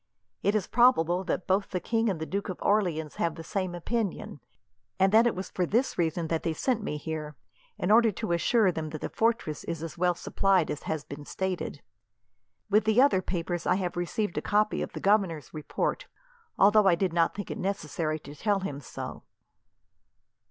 It is probable that both the king and the Duke of Orleans have the same opinion, and that it was for this reason that they sent me here, in order to assure them that the fortress is as well supplied as has been stated. With the other papers, I have received a copy of the governor's report, although I did not think it necessary to tell him so."